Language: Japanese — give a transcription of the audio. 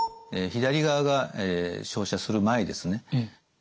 左側が照射する前ですね。